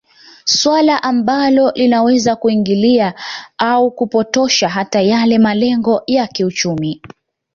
Swala ambalo linaweza kuingilia au kupotosha hata yale malengo ya kiuchumi